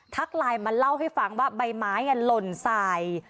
ทักไลน์มาเล่าให้ฟังว่าใบไม้ล่นสาย